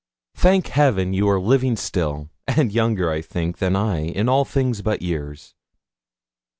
Thank Heaven, you are living still, and younger, I think, than I in all things but in years.